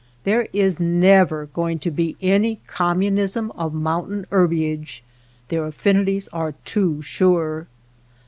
There is never going to be any communism of mountain herbage, their affinities are too sure.